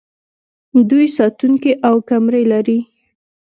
دوی ساتونکي او کمرې لري.